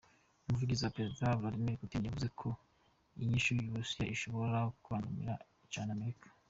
Umuvugizi wa prezida Vladimir Putin yavuze ko inyishu y’Uburusiya ishobora kubangamira cane Amerika.